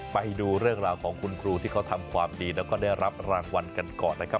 ไปดูเรื่องราวของคุณครูที่เขาทำความดีแล้วก็ได้รับรางวัลกันก่อนนะครับ